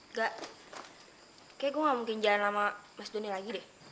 enggak kayaknya gue gak mungkin jalan sama mas doni lagi deh